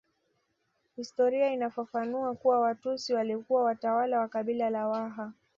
Historia inafafanua kuwa Watusi walikuwa watawala wa kabila la Waha